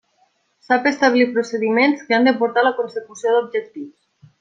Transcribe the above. Sap establir procediments que han de portar a la consecució d'objectius.